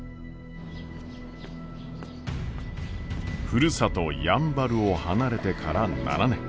ふるさとやんばるを離れてから７年。